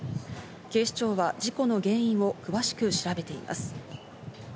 警視庁は事故の原因を詳しく調べています。